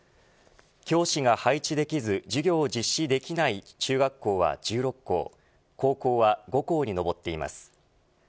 教師が配置できず授業を実施できない中学校は１６校高校は５校に上っています。